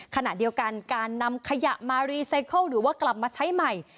ขณะเดียวกันการนำขยะมารีไซเคิลหรือว่ากลับมาใช้ใหม่